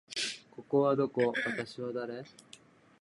ここはどこ？私は誰？